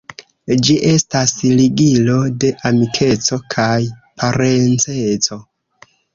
Ĝi estas ligilo de amikeco kaj parenceco.